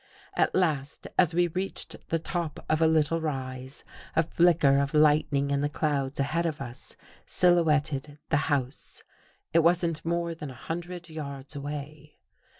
At last, as we reached the top of a little rise, a flicker of lightning in the clouds ahead of us sil houetted the house. It wasn't more than a hun dred yards away.